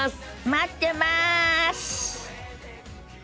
待ってます！